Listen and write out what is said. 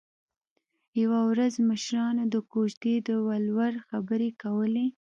یوه ورځ مشرانو د کوژدې د ولور خبرې کولې